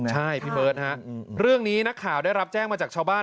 ใช่พี่เบิร์ตฮะเรื่องนี้นักข่าวได้รับแจ้งมาจากชาวบ้าน